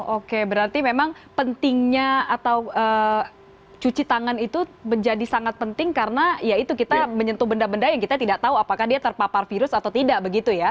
oke berarti memang pentingnya atau cuci tangan itu menjadi sangat penting karena ya itu kita menyentuh benda benda yang kita tidak tahu apakah dia terpapar virus atau tidak begitu ya